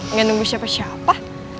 neng nunggu siapa siapa